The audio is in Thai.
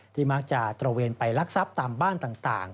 มักจะตระเวนไปลักทรัพย์ตามบ้านต่าง